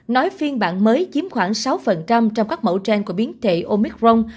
nói phiên bản mới chiếm khoảng sáu trong các mẫu trang của biến thể omicron